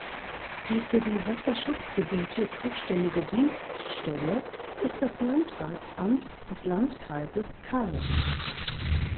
Die für die Wasserschutzgebiete zuständige Dienststelle ist das Landratsamt des Landkreises Calw.